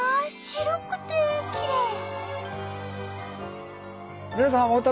白くてきれい！